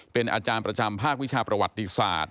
เป็นอาจารย์ประจำภาควิชาประวัติศาสตร์